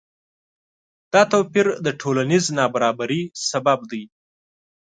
دا توپیر د ټولنیز نابرابری سبب دی.